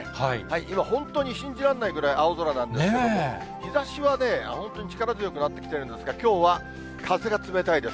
今、本当に信じられないぐらい、青空なんですけれども、日ざしはね、本当に力強くなってきてるんですが、きょうは風が冷たいです。